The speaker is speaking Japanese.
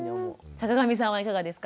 坂上さんはいかがですか？